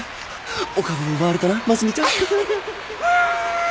お株を奪われたな真澄ちゃん！きぃ！